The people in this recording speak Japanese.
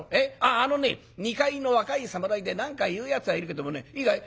あのね二階の若い侍で何か言うやつがいるけどもねいいかい？